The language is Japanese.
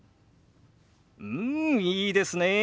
うんいいですねえ。